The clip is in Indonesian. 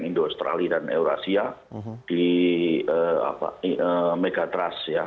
yang indo australi dan eurasia di megatrust ya